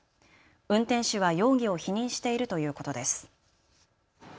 運転手は容疑を否認しているということです。